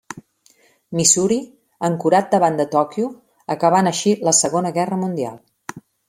Missouri, ancorat davant de Tòquio, acabant així la Segona Guerra Mundial.